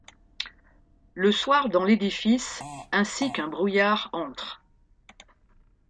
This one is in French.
Le soir dans l’édifice ainsi qu’un brouillard entre